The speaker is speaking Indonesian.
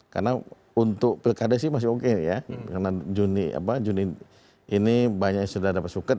karena untuk pkd sih masih oke ya karena juni ini banyak yang sudah dapat suket